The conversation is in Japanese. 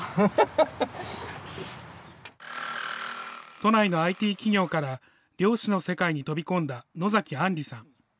都内のＩＴ企業から猟師の世界に飛び込んだ野崎安里さん。